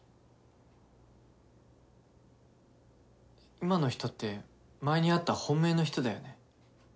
今の人って前に会った本命の人だよね？